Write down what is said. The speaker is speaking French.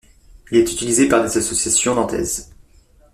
Il est utilisé par des associations nantaises.